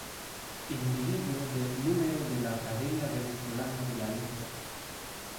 Individuo de Número de la Academia Venezolana de la Lengua.